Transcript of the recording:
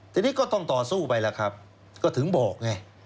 ทีนี้ก็ต้องต่อสู้ไปแล้วครับก็ถึงบอกไง